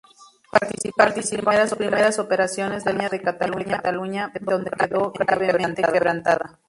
Participó en las primeras operaciones de la Campaña de Cataluña, donde quedó gravemente quebrantada.